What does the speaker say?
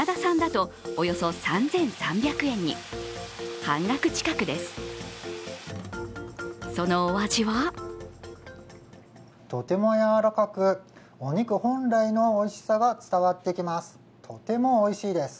とてもやわらかく、お肉本来のおいしさが伝わってきます。